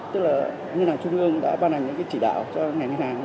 tức là ngân hàng trung ương đã ban hành những chỉ đạo cho ngân hàng